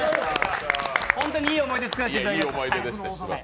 本当にいい思い出作らせていただきました。